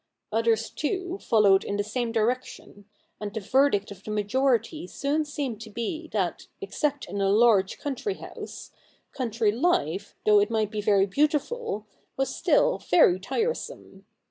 Others, too, followed in the same direc tion; and the verdict of the majority soon seemed to be that, except in a large country house, country life, though it might be very beautiful, was still very tiresome.